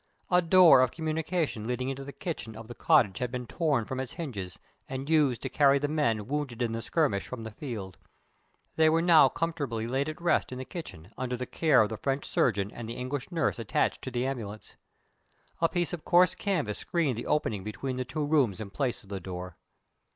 A door of communication leading into the kitchen of the cottage had been torn from its hinges, and used to carry the men wounded in the skirmish from the field. They were now comfortably laid at rest in the kitchen, under the care of the French surgeon and the English nurse attached to the ambulance. A piece of coarse canvas screened the opening between the two rooms in place of the door.